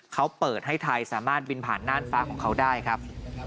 เขาเปิดให้ไทยสามารถบินผ่านน่านฟ้าของเขาได้ครับ